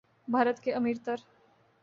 بھارت کے امیر تر